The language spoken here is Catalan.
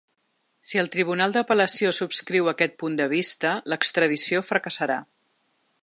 Si el tribunal d’apel·lació subscriu aquest punt de vista, l’extradició fracassarà.